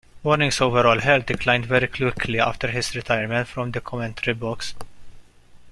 Waring's overall health declined very quickly after his retirement from the commentary box.